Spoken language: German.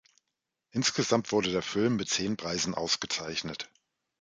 Insgesamt wurde der Film mit zehn Preisen ausgezeichnet.